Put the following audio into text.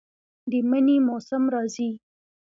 د منی موسم راځي